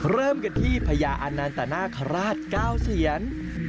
เริ่มกันที่พญานาตนาขระราศเก้าเหวียร์